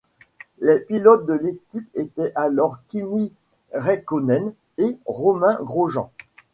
Les pilotes de l'équipe étaient alors Kimi Räikkönen et Romain Grosjean.